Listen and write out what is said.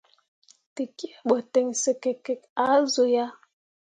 Tekie ɓo ten sǝkikki ah zu yah.